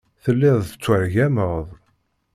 Telliḍ tettwargameḍ.